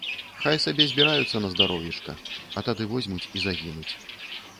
Хай сабе збіраюцца на здароўечка, а тады возьмуць і загінуць.